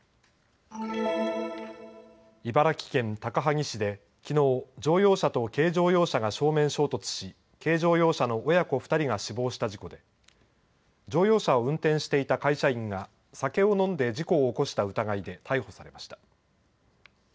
茨城県高萩市できのう、乗用車と軽乗用車が正面衝突し軽乗用車の親子２人が死亡した事故で乗用車を運転していた会社員が酒を飲んで事故を起こした疑いで逮捕されました。